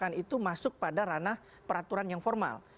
kebijakan itu masuk pada ranah peraturan yang formal